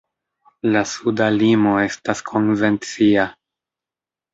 La suda limo estas konvencia.